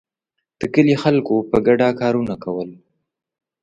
د کلي خلکو په ګډه کارونه کول.